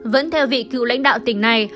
vẫn theo vị cựu lãnh đạo tỉnh này